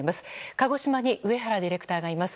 鹿児島に上原ディレクターがいます。